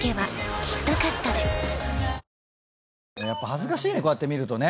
恥ずかしいねこうやって見ると。